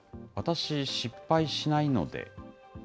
私、失敗しないので。